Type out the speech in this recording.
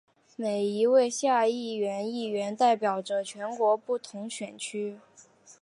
每一位下议院议员代表着全国不同选区。